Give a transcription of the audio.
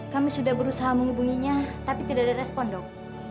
kami sudah berusaha menghubunginya tapi tidak ada respon dok